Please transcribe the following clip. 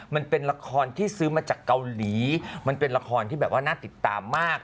มันเป็นละครที่ซื้อมาจากเกาหลีมันเป็นละครที่แบบว่าน่าติดตามมาก